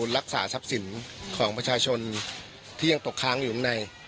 รักษาทรัพย์สินของประชาชนที่ยังตกค้างอยู่ข้างใน